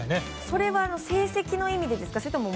それは成績の意味ですか？